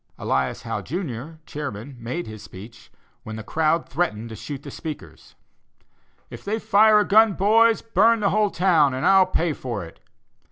Elias Howe, Jr., chairman, made his speech, when the crowd threatened to shoot the speakers: 'If they fire a gun, boys, burn the whole town, and I'll pay for it!